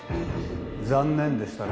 残念でしたね。